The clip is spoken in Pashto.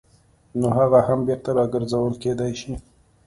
نو هغه هم بېرته راګرځول کېدای شي.